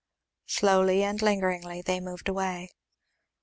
Slowly and lingeringly they moved away.